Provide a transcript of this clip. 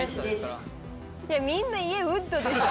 みんな家ウッドでしょ。